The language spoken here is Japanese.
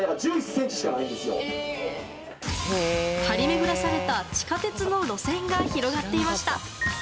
張り巡らされた地下鉄の路線が広がっていました。